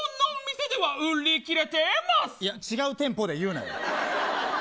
違う店舗で言うなよ